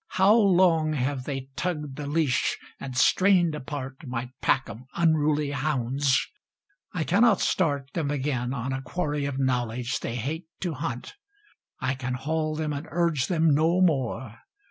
How long have they tugged the leash, and strained apart My pack of unruly hounds: I cannot start Them again on a quarry of knowledge they hate to hunt, I can haul them and urge them no more.